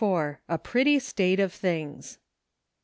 *'A PRETTY STATE OF THINGS."